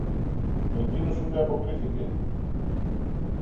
Εκείνος ούτε αποκρίθηκε